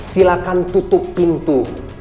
silakan tutup pintu